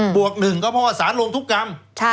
วก๑ก็เพราะว่าสารลงทุกกรรม